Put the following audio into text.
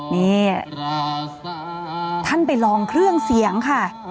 นี่ท่านไปลองเครื่องเสียงค่ะ